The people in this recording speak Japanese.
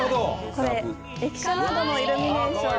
これ駅舎などのイルミネーション。